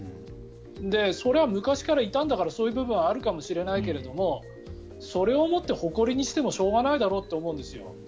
それは昔からいたんだからそういう部分はあるかもしれないけどもそれをもって誇りにしてもしょうがないだろと思うんです。